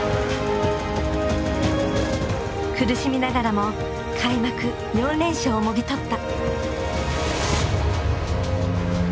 苦しみながらも開幕４連勝をもぎ取った。